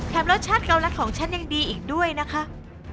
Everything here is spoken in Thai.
แถมรสชาติเกาลัดของฉันยังดีอีกด้วยนะครับ